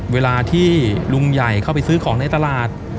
เวลาที่ลุงใหญ่เข้าไปซื้อของในตลาด